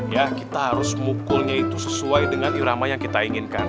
ya kita harus mukulnya itu sesuai dengan irama yang kita inginkan